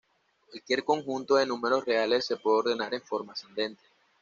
Cualquier conjunto de números reales se puede ordenar en forma ascendente.